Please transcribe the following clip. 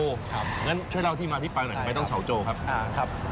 อย่างนั้นช่วยเล่าที่มาพิปลายหน่อยไม่ต้องชาวโจครับ